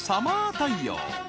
太陽